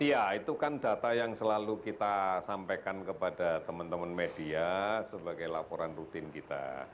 iya itu kan data yang selalu kita sampaikan kepada teman teman media sebagai laporan rutin kita